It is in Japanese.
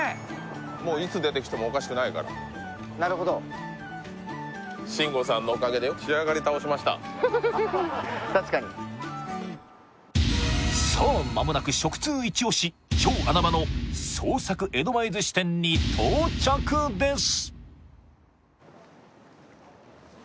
もういつ出てきてもおかしくないからなるほど確かにさあまもなく食通イチオシ超穴場の創作江戸前寿司店に到着です